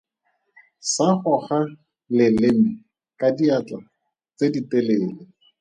Sa goga leleme ka diatla tse ditelele.